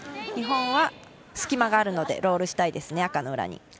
日本は、隙間があるのでロールしたいです、赤の裏に。